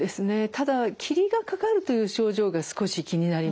ただ霧がかかるという症状が少し気になります。